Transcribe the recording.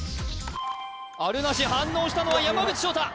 あるなし反応したのは山口尚太